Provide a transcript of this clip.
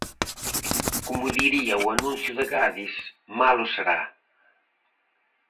Como diría o anuncio de Gadis, malo será.